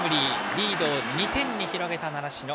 リードを２点に広げた習志野。